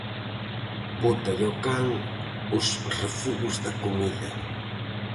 Bótalle ao can os refugos da comida.